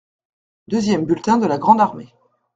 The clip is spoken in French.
Deuxième bulletin de la grande armée.